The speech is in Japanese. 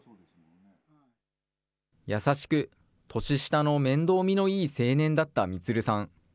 優しく、年下の面倒見のいい青年だった満さん。